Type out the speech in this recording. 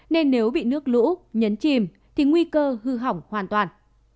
nên nếu bị nước lũ nhấn chìm thì nguy cơ hư hỏng hoàn toàn